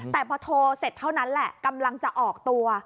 แต่พอโทรเสร็จเท่านั้นแหละกำลังจะออกตัว